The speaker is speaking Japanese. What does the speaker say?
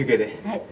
はい。